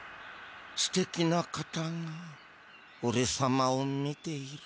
すてきな方がおれさまを見ている。